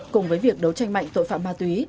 cùng với việc đấu tranh mạnh tội phạm ma túy